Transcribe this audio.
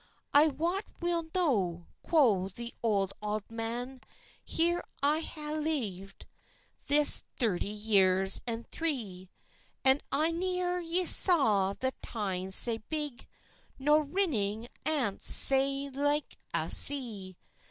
"I wat weel no," quo the good auld man; "Here I hae livd this threty yeirs and three, And I neer yet saw the Tyne sae big, Nor rinning ance sae like a sea."